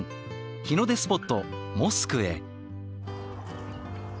日の出スポットモスクへ。